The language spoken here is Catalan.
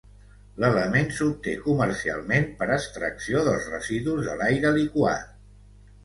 L'element s'obté comercialment per extracció dels residus de l'aire liquat.